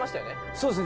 「そうですね。